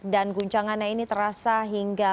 dan guncangannya ini terasa hingga